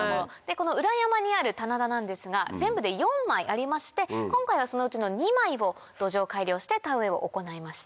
この裏山にある棚田なんですが全部で４枚ありまして今回はそのうちの２枚を土壌改良して田植えを行いました。